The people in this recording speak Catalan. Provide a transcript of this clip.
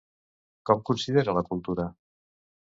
Com considera la cultura?